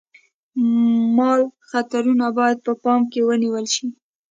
مال خطرونه باید په پام کې ونیول شي.